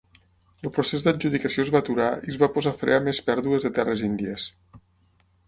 El procés d'adjudicació es va aturar i es va posar fre a més pèrdues de terres índies.